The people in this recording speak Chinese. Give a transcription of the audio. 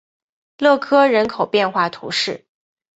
勒科人口变化图示